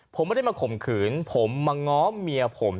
ผมไม่ได้มาข่มขืนผมมาง้อเมียผม